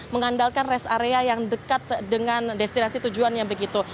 mengandalkan rest area yang dekat dengan destinasi tujuannya begitu